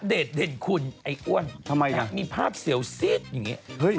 เด็ดเด่นคุณไอ้อ้วนมีภาพเซียวซิกอย่างนี้